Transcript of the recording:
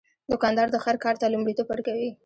دوکاندار د خیر کار ته لومړیتوب ورکوي.